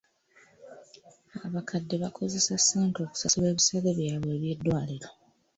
Abakadde bakozesa ssente okusasula ebisale byabwe eby'eddwaliro.